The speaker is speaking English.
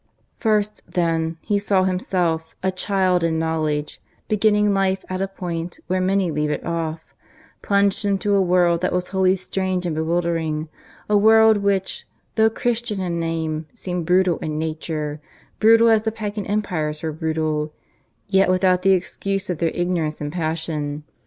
First, then, he saw himself, a child in knowledge, beginning life at a point where many leave it off, plunged into a world that was wholly strange and bewildering, a world which, though Christian in name, seemed brutal in nature brutal as the pagan empires were brutal, yet without the excuse of their ignorance and passion.